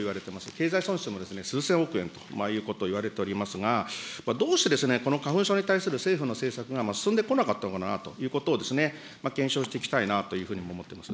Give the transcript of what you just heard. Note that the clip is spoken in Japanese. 経済損失も数千億円ということをいわれておりますが、どうしてこの花粉症に対する政府の政策が進んでこなかったのかなということを検証していきたいなというふうにも思っております。